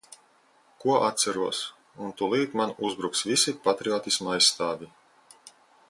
Ko atceros... Un tūlīt man uzbruks visi patriotisma aizstāvji.